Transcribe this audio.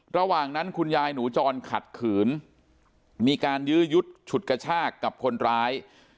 ระหว่างนั้นคุณยายหนูจรขัดขืนมีการยื้อยุดฉุดกระชากกับคนร้าย